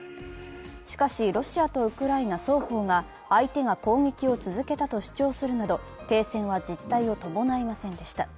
しかしロシアとウクライナ双方が相手が攻撃を続けたと主張するなど、停戦は実態を伴いませんでした。